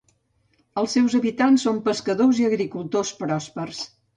Els seus habitants són pescadors i agricultors pròspers.